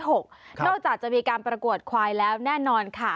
นอกจากจะมีการประกวดควายแล้วแน่นอนค่ะ